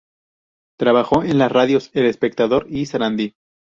Trabajó en las radios El Espectador y Sarandí.